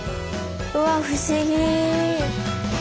うわ不思議。